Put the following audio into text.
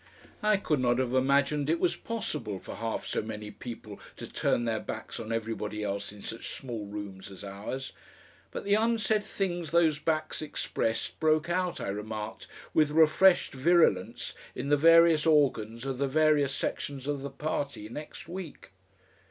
I could not have imagined it was possible for half so many people to turn their backs on everybody else in such small rooms as ours. But the unsaid things those backs expressed broke out, I remarked, with refreshed virulence in the various organs of the various sections of the party next week.